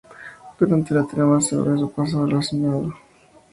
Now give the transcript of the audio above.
Durante la trama se ve su pasado relacionado con la Stasi.